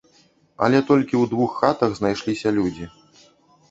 Але толькі ў двух хатах знайшліся людзі.